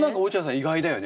意外だよね。